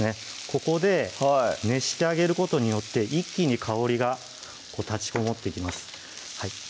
ここで熱してあげることによって一気に香りが立ちこもってきます